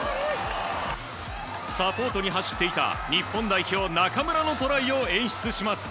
サポートに走っていた、日本代表中村のトライを演出します。